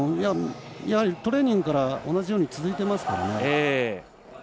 トレーニングから同じように続いてますからね。